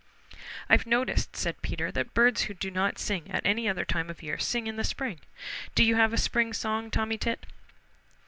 "I've noticed," said Peter, "that birds who do not sing at any other time of year sing in the spring. Do you have a spring song, Tommy Tit?"